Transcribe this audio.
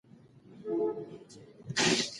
شاعر د خپل هنر له لارې پیغام رسوي.